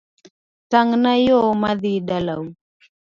Tangna yoo madhi dala u